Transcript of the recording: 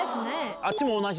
あっちも同じ？